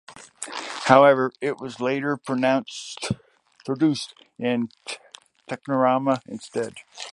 However, it was later produced in Technirama instead.